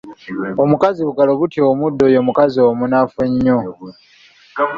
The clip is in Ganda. Omukazi bugalo butya omuddo ye mukazi omunafu ennyo.